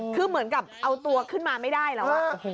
คือเหมือนกับเอาตัวขึ้นมาไม่ได้แล้ว